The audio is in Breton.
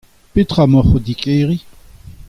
Petra emaoc'h o tigeriñ ?